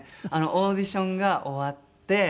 オーディションが終わって。